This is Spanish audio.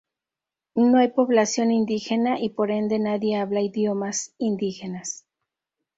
No hay población indígena y por ende nadie habla idiomas indígenas.